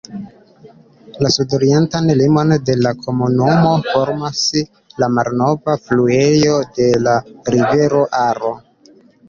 La sudorientan limon de la komunumo formas la malnova fluejo de la rivero Aro.